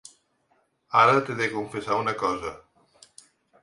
Ara, t’he de confessar una cosa.